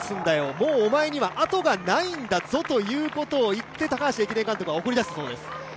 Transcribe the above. もうお前にはあとがないんだぞということを言って高橋駅伝監督は送り出したそうです。